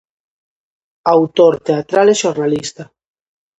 Autor teatral e xornalista.